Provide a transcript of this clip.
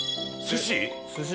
「寿司？」